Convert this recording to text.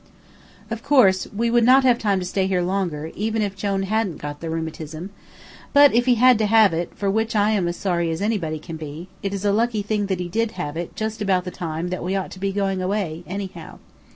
Of course we would not have time to stay here longer, even if Jone hadn't got the rheumatism; but if he had to have it, for which I am as sorry as anybody can be, it is a lucky thing that he did have it just about the time that we ought to be going away, anyhow.